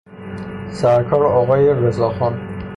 سرکارٍ آقای رضا خان